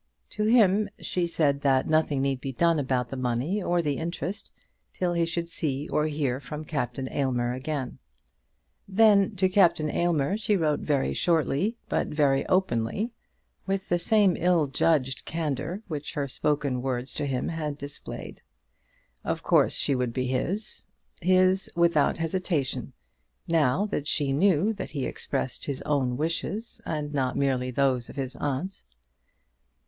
To him she said that nothing need be done about the money or the interest till he should see or hear from Captain Aylmer again. Then to Captain Aylmer she wrote very shortly, but very openly, with the same ill judged candour which her spoken words to him had displayed. Of course she would be his; his without hesitation, now that she knew that he expressed his own wishes, and not merely those of his aunt.